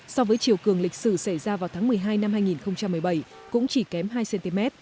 so với chiều cường lịch sử xảy ra vào tháng một mươi hai năm hai nghìn một mươi bảy cũng chỉ kém hai cm